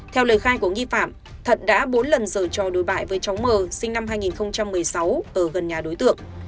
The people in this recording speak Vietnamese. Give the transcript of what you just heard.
theo lời khai của nghi phạm thật đã bốn lần dở trò đối bại với chóng mờ sinh năm hai nghìn một mươi sáu ở gần nhà đối tượng